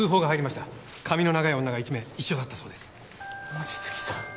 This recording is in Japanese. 望月さん